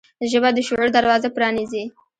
ژبه د شعور دروازه پرانیزي